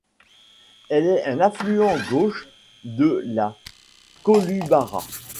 Elle est un affluent gauche de la Kolubara.